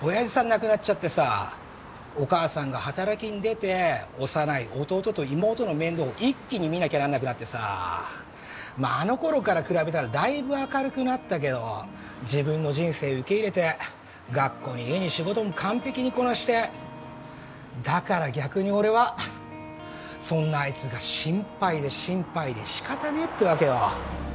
亡くなっちゃってさお母さんが働きに出て幼い弟と妹の面倒を一気に見なきゃなんなくなってさまああの頃から比べたらだいぶ明るくなったけど自分の人生受け入れて学校に家に仕事も完璧にこなしてだから逆に俺はそんなあいつが心配で心配で仕方ねえってわけよ